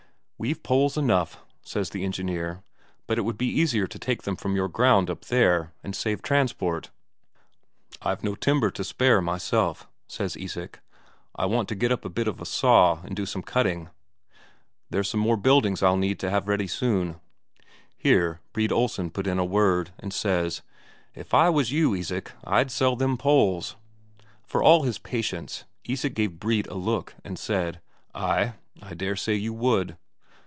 "We've poles enough," says the engineer, "but it would be easier to take them from your ground up there, and save transport." "I've no timber to spare myself," says Isak. "I want to get up a bit of a saw and do some cutting; there's some more buildings I'll need to have ready soon." Here Brede Olsen put in a word, and says: "If I was you, Isak, I'd sell them poles." For all his patience, Isak gave Brede a look and said: "Ay, I dare say you would."